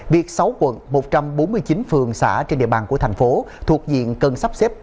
việc sáu quận một trăm bốn mươi chín phường xã trên địa bàn của thành phố thuộc diện cần sắp xếp